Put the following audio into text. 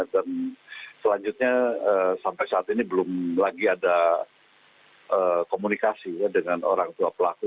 dan selanjutnya sampai saat ini belum lagi ada komunikasi dengan orang tua pelaku